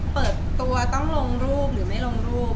เปิดตัวต้องลงรูปหรือไม่ลงรูป